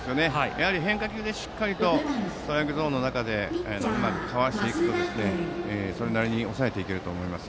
やはり変化球でしっかりストライクゾーンの中でうまくかわしていくとそれなりに抑えていけると思います。